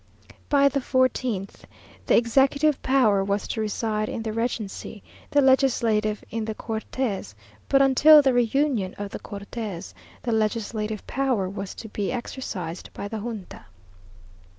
By the fourteenth, the executive power was to reside in the regency the legislative in the Cortes but until the reunion of the Cortes, the legislative power was to be exercised by the Junta.